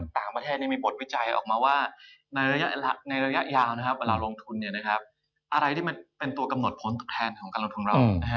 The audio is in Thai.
ต่างประเทศมีบทวิจัยออกมาว่าในระยะยาวเวลาลงทุนอะไรที่มันเป็นตัวกำหนดผลตอบแทนของการลงทุนเรา